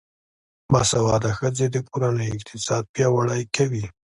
باسواده ښځې د کورنۍ اقتصاد پیاوړی کوي.